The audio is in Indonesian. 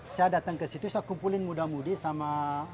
saya datang kesitu saya kumpulin muda mudi sama